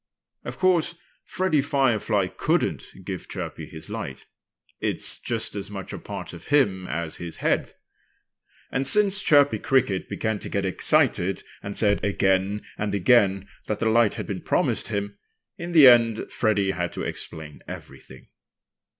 Of course, Freddie Firefly couldn't give Chirpy his light. It was just as much a part of him as his head. And since Chirpy Cricket began to get excited, and said again and again that the light had been promised him, in the end Freddie had to explain everything.